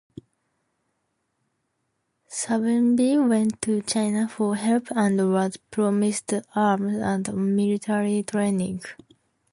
Savimbi went to China for help and was promised arms and military training.